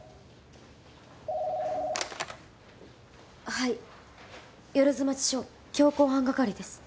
はい万町署強行犯係です。